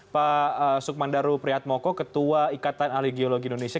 pak sukmandaru prihatmoko ketua ikatan ahli geologi indonesia